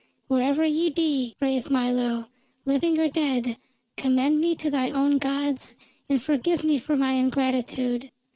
Wherever ye be, brave Milo, living or dead, commend me to thy own gods and forgive me for my ingratitude."